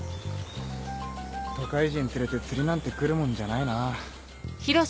都会人連れて釣りなんて来るもんじゃないな。